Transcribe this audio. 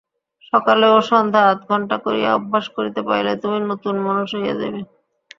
সকালে ও সন্ধ্যায় আধঘণ্টা করিয়া অভ্যাস করিতে পারিলে তুমি নূতন মানুষ হইয়া যাইবে।